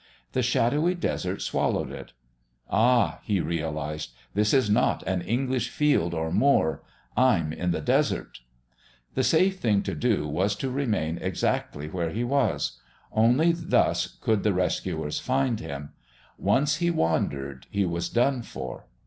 The shadowy desert swallowed it. "Ah," he realised, "this is not an English field or moor. I'm in the Desert!" The safe thing to do was to remain exactly where he was; only thus could the rescuers find him; once he wandered he was done for.